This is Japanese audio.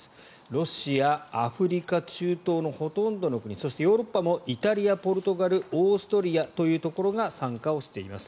ロシアアフリカ、中東のほとんどの国そしてヨーロッパもイタリア、ポルトガルオーストリアというところが参加しています。